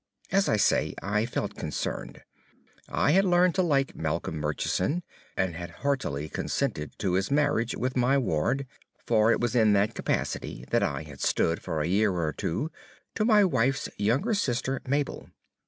As I say, I felt concerned. I had learned to like Malcolm Murchison, and had heartily consented to his marriage with my ward; for it was in that capacity that I had stood for a year or two to my wife's younger sister, Mabel.